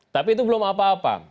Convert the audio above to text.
tapi itu belum apa apa